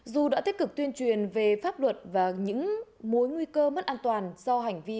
dù đã tích cực tuyên truyền về pháp luật và những mối nguy cơ mất an toàn do hành vi